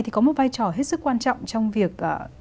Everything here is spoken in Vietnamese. thì có một vai trò hết sức quan trọng trong việc